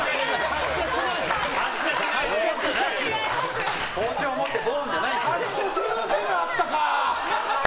発射するボケがあったか。